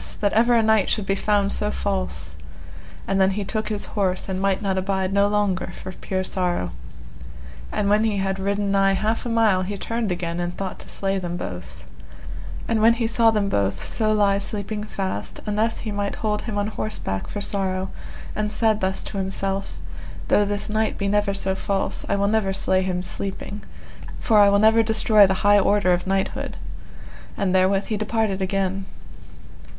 that ever a knight should be found so false; and then he took his horse and might not abide no longer for pure sorrow. And when he had ridden nigh half a mile he turned again and thought to slay them both; and when he saw them both so lie sleeping fast, unnethe he might hold him on horseback for sorrow, and said thus to himself, Though this knight be never so false, I will never slay him sleeping, for I will never destroy the high order of knighthood; and therewith he departed again.